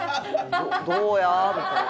どうや？みたいな。